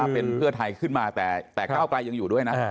เป็นเพื่อไทยขึ้นมาแต่ก้าวไกลยังอยู่ด้วยนะ